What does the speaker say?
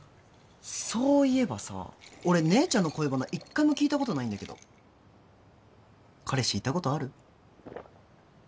そういえばさ俺姉ちゃんの恋バナ１回も聞いたことないんだけど彼氏いたことある？